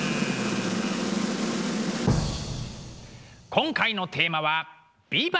今回のテーマは「ビバ！